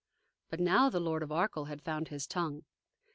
But now the Lord of Arkell had found his tongue.